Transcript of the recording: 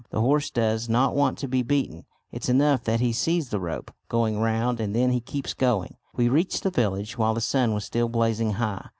The horse does not want to be beaten; it's enough that he sees the rope going round, and then he keeps going. We reached the village while the sun was still blazing high.